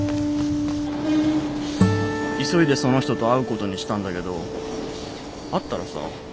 急いでその人と会うことにしたんだけど会ったらさ